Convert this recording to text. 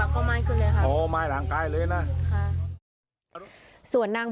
คือไฟ้ไมล่างไกต่อนนี้เห็นมั้ย